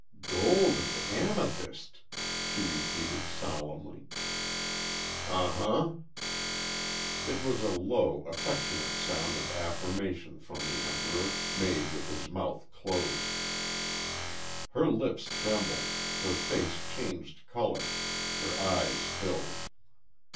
"Gold an' amethyst," she repeated, solemnly. "Uh huh!" It was a low, affectionate sound of affirmation from the Emperor, made with his mouth closed. Her lips trembled, her face changed color, her eyes filled.